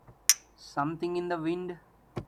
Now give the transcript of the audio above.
Something in the wind